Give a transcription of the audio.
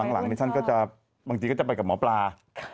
แล้วก็หลังนี่ท่านก็จะบางทีก็จะไปกับหมอปลา